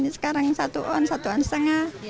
sekarang satu on satu on setengah